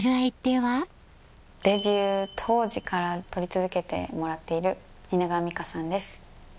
デビュー当時から撮り続けてもらっている蜷川実花さんです。